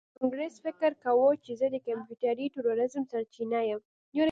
کانګرس فکر کاوه چې زه د کمپیوټري تروریزم سرچینه یم